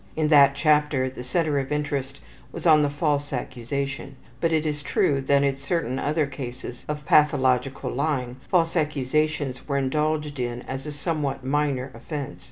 In that chapter the center of interest was on the false accusations, but it is true that in certain other cases of pathological lying false accusations were indulged in as a somewhat minor offense.